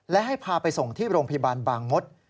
และให้พาไปส่งที่โรงพยาบาลบางมศ